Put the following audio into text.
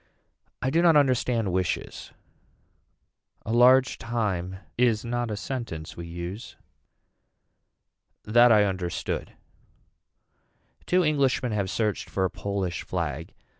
I do not understand wishes. A large time is not a sentence we use. That I understood. Two Englishmen have searched for a Polish flag.